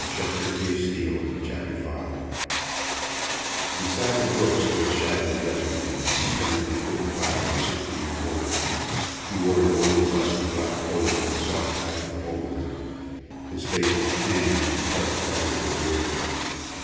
CHAPTER V THE MAN AT THE BROOK Beside the brook stood a shabbily dressed man, apparently fifty five or sixty years old. He wore an old rusty black coat and a soft hat with a hole in it. His face was tanned and partly covered with a beard.